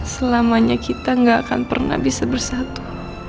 selamanya kita gak akan pernah bisa bersatu